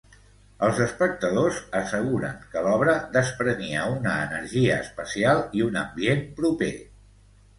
Els espectadors asseguren que l'obra desprenia una energia especial i un ambient proper.